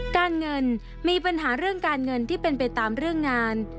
การเงินมีปัญหาเรื่องการเงินที่เป็นไปตามเรื่องงาน